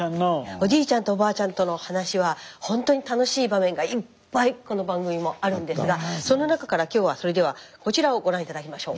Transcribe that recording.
おじいちゃんとおばあちゃんとの話はほんとに楽しい場面がいっぱいこの番組もあるんですがその中から今日はそれではこちらをご覧頂きましょう。